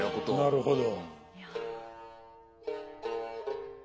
なるほど。